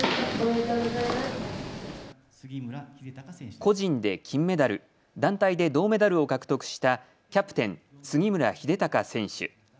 個人で金メダル、団体で銅メダルを獲得したキャプテン、杉村英孝選手。